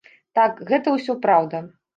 Так, гэта ўсё праўда.